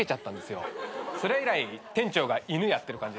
それ以来店長が犬やってる感じです。